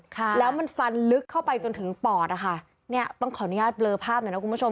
ค่ะแล้วมันฟันลึกเข้าไปจนถึงปอดอ่ะค่ะเนี้ยต้องขออนุญาตเบลอภาพหน่อยนะคุณผู้ชม